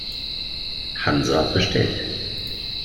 Hansa bestellt.